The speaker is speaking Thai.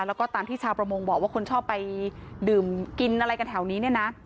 แล้วก็ตามที่ชาวประมงบอกว่าคนชอบไปดื่มกินอะไรกันแถวนี้เนี่ยนะ